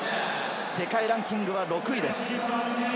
世界ランキングは６位です。